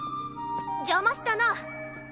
じゃましたな。